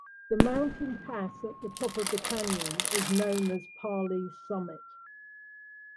The mountain pass at the top of the canyon is known as Parley's Summit.